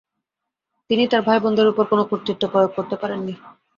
তিনি তার ভাইবোনদের উপর কোনো কর্তৃত্ব প্রয়োগ করতে পারেননি।